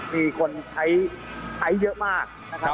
มีคนใช้เยอะมาก